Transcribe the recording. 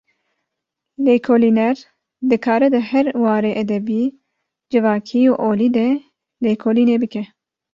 Lêkolîner, dikare di her warê edebî, civakî û olî de lêkolînê bike